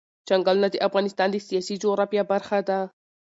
چنګلونه د افغانستان د سیاسي جغرافیه برخه ده.